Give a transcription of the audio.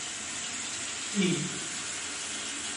سی